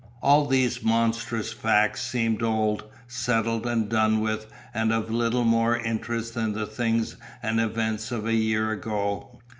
All these monstrous facts seemed old, settled and done with and of little more interest than the things and events of a year ago.